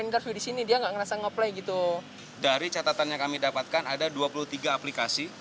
intervie di sini dia nggak ngerasa nge play gitu dari catatan yang kami dapatkan ada dua puluh tiga aplikasi